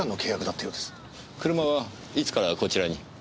車はいつからこちらに？